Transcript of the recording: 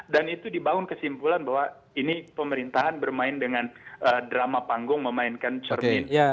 dan itu dibangun kesimpulan bahwa ini pemerintahan bermain dengan drama panggung memainkan cermin